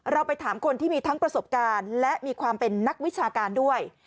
เราไปถามคนที่มีทั้งประสบการณ์และมีความเป็นนักวิชาการด้วย